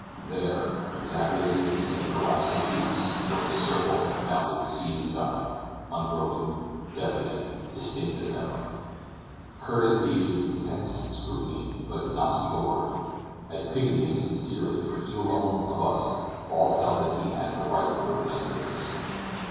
There, exactly as we had seen it for the last six weeks, was the circle that bounded sea and sky unbroken, definite, distinct as ever! Curtis gazed with intensest scrutiny, but did not speak a word. I pitied him sincerely, for he alone of us all felt that he had not the right to put an end to his misery.